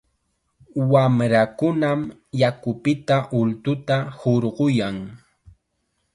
Wamrakunam yakupita ultuta hurquyan.